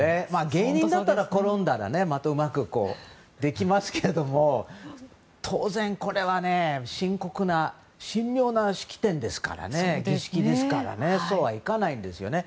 芸人だったら、転んだらうまくできますけれども当然、これは深刻な神妙な式典儀式ですからねそうはいかないんですよね。